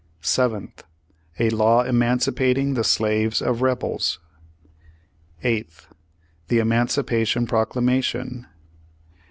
"Seventh. A law emancipating the slaves of rebels. "Eighth. The Emancipation Proclamation.